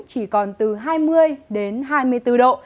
chỉ còn từ hai mươi đến hai mươi bốn độ